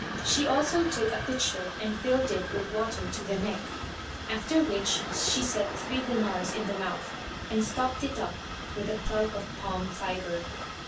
She also took a pitcher[FN#183] and filled it with water to the neck; after which she set three dinars in the mouth and stopped it up with a plug of palm fibre.